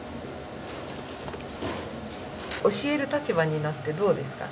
教える立場になってどうですか？